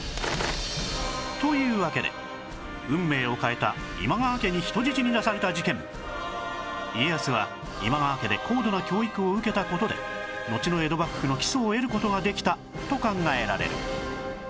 というわけで運命を変えた今川家に人質に出された事件家康は今川家で高度な教育を受けた事でのちの江戸幕府の基礎を得る事ができたと考えられる